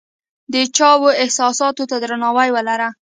د چا و احساساتو ته درناوی ولره !